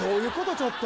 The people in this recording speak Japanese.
ちょっと！